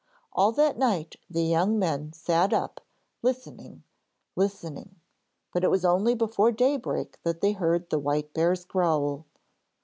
All that night the young men sat up, listening, listening; but it was only before daybreak that they heard the white bear's growl.